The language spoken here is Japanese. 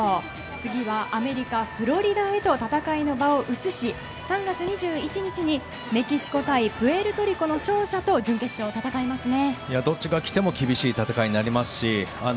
つぎはアメリカ・フロリダへと戦いの場を移し３月２１日にメキシコ対プエルトリコの勝者と準決勝で戦いますね。